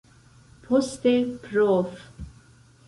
Poste prof.